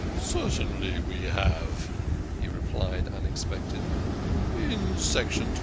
"Cer tainly we have," he replied unexpectedly. " In Section XX.